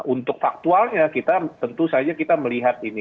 untuk faktualnya kita tentu saja kita melihat ini